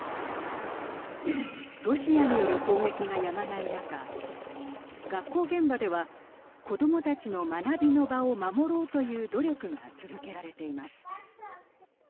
ロシアによる攻撃がやまない中学校現場では子どもたちの学びの場を守ろうという努力が続けられています。